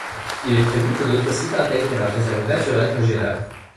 Il est prévu que d'autres sites intègrent la réserve naturelle régionale.